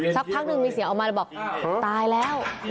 สักพักหนึ่งมีเสียงออกมาเลยบอกตายแล้ว